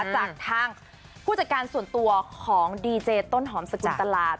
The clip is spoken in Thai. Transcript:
จากทางผู้จัดการส่วนตัวของดีเจต้นหอมสกุลตลาด